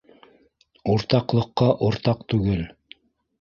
— Уртаҡлыҡҡа уртаҡ түгел